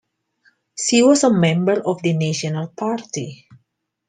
She was a member of the National Party.